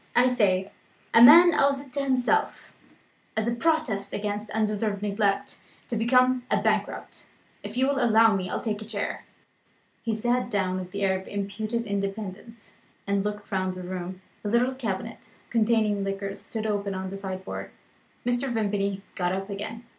I say, a man owes it to himself (as a protest against undeserved neglect) to become a bankrupt. If you will allow me, I'll take a chair." He sat down with an air of impudent independence and looked round the room. A little cabinet, containing liqueurs, stood open on the sideboard. Mr. Vimpany got up again.